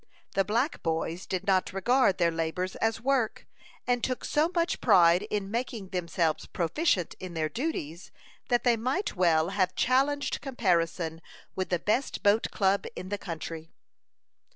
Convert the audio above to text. The black boys did not regard their labors as work, and took so much pride in making themselves proficient in their duties, that they might well have challenged comparison with the best boat club in the country.